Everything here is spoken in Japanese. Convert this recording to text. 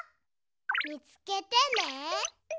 みつけてね。